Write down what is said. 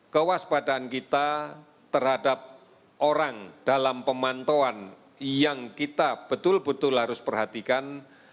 kewaspadaan kita terhadap orang dalam pemantauan yang kita betul betul harus perhatikan